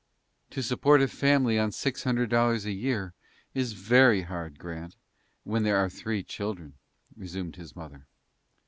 "To support a family on six hundred dollars a year is very hard, Grant, when there are three children," resumed his mother.